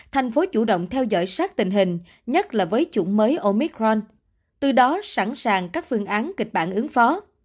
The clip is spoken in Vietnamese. thành phố chủ động theo dõi sát tình hình nhất là với chủng mới omic ron từ đó sẵn sàng các phương án kịch bản ứng phó